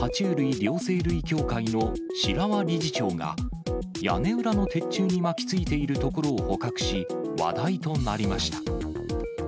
両生類協会の白輪理事長が、屋根裏の鉄柱に巻きついているところを捕獲し、話題となりました。